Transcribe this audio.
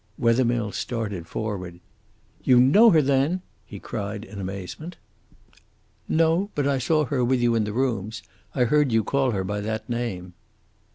Wethermill started forward. "You know her, then?" he cried in amazement. "No; but I saw her with you in the rooms. I heard you call her by that name."